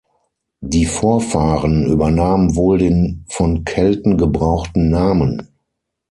Die Vorfahren übernahmen wohl den von Kelten gebrauchten Namen.